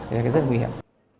rất là nguy hiểm